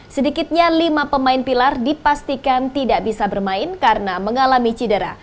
sedikitnya lima pemain pilar dipastikan tidak bisa bermain karena mengalami cedera